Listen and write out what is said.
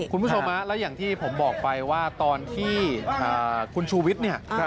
คุณผู้ชมแล้วอย่างที่ผมบอกไปว่าตอนที่คุณชูวิทย์เนี่ย